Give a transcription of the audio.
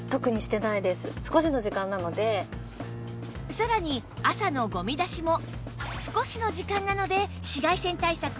さらに朝のゴミ出しも少しの時間なので紫外線対策はなし！